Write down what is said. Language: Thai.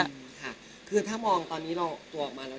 ฮุถ้ามองตอนนี้เราออกมาแล้วเนอะ